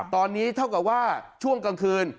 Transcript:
ตอนนี้เท่ากับว่าช่วงกลางคืน